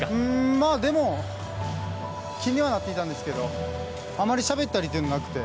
まあ、でも気にはなっていたんですけどあまりしゃべったりとかではなくて。